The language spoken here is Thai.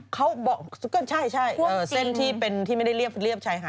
เขาบอกก็ใช่เส้นที่เป็นที่ไม่ได้เรียบชายหาด